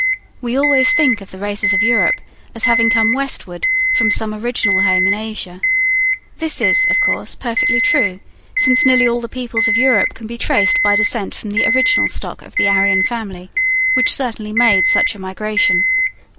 We always think of the races of Europe as having come westward from some original home in Asia. This is, of course, perfectly true, since nearly all the peoples of Europe can be traced by descent from the original stock of the Aryan family, which certainly made such a migration.